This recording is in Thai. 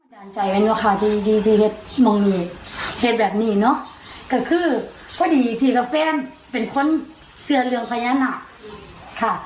ด่านใจไว้เนอะค่ะที่ที่ที่เฮ็ดมงเยตเฮ็ดแบบนี้เนอะก็คือพอดีพี่กับแฟนเป็นคนเซียเรืองพยานาค่ะ